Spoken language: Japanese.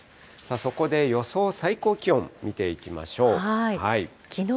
そこで、予想最高気温、見ていきましょう。